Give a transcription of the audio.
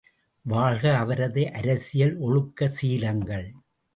வாழ்க அவரது அரசியல் ஒழுக்க சீலங்கள்!